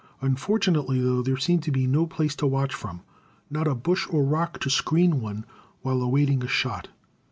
Unfortunately, though, there seemed to be no place to watch from, not a bush or rock to screen one while awaiting a shot.